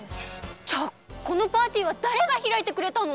じゃあこのパーティーはだれがひらいてくれたの！？